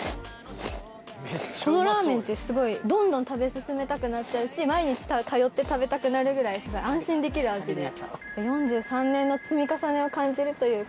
このラーメンってどんどん食べ進めたくなるし毎日通って食べたくなるぐらいすごい安心できる味です。